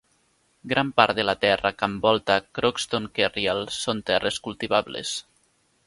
Gran part de la terra que envolta Croxton Kerrial són terres cultivables.